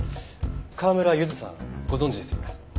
川村ゆずさんご存じですよね？